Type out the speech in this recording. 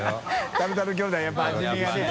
タルタル兄弟やっぱ味見はね。